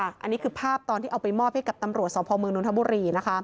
อันนี้คือภาพตอนที่เอาไปมอบให้กับตำรวจสพมนทบุรีนะคะ